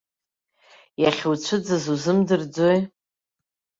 Иахьуцәыӡыз узымдырӡои?